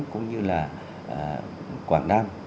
cũng như là quảng nam